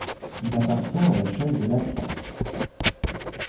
Il appartient à la chaîne de l'Atlas.